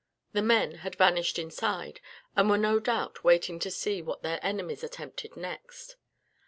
The men had vanished inside, and were no doubt waiting to see what their enemies attempted next.